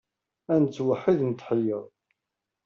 Ad nettweḥḥid netḥeyyeṛ.